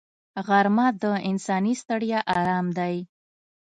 غرمه د انساني ستړیا آرام دی